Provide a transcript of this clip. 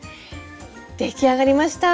出来上がりました！